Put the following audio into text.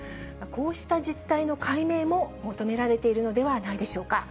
こうした実態の解明も求められているのではないでしょうか。